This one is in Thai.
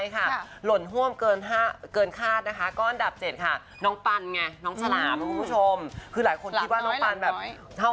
คือเขาบอกว่าออนอุ้มน่ะ